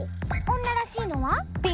女らしいのは？